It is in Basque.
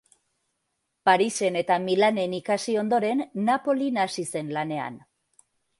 Parisen eta Milanen ikasi ondoren, Napolin hasi zen lanean.